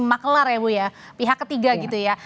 maklar ya bu ya pihak ketiga gitu ya